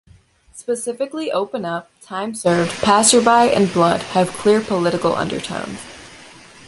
Specifically, "Open Up", "Time Served", "Passerby", and "Blood" have clear political undertones.